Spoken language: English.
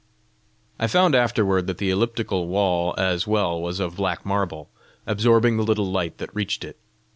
I found afterward that the elliptical wall as well was of black marble, absorbing the little light that reached it.